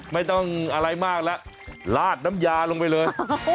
ไม่ต้องอะไรมากแล้วลาดน้ำยาลงไปเลย